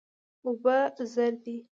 اوبه زر دي.